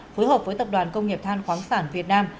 phối hợp với tập đoàn công nghiệp than khoáng sản việt nam